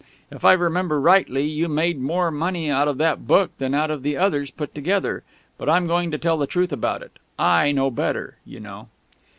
If I remember rightly, you made more money out of that book than out of the others put together. But I'm going to tell the truth about it. I know better, you know...."